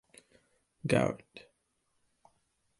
Govt.